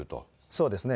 そうですね。